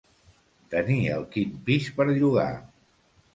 Tenir el quint pis per llogar.